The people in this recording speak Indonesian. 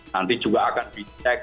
nanti juga akan di cek